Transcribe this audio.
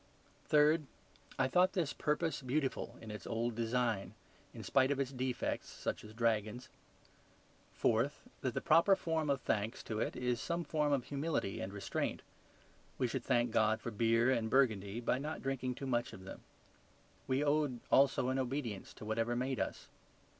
Third, I thought this purpose beautiful in its old design, in spite of its defects, such as dragons. Fourth, that the proper form of thanks to it is some form of humility and restraint: we should thank God for beer and Burgundy by not drinking too much of them. We owed, also, an obedience to whatever made us.